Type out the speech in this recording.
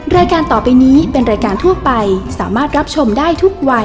รายการต่อไปนี้เป็นรายการทั่วไปสามารถรับชมได้ทุกวัย